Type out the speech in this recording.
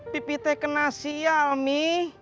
pipih teh kena sial mi